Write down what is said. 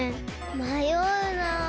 まような。